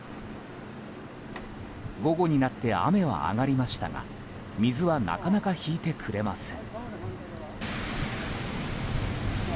午後になって雨は上がりましたが水はなかなか引いてくれません。